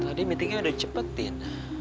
tadi meetingnya udah cepetin